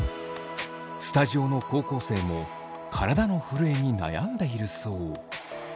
スタジオの高校生も体の震えに悩んでいるそう。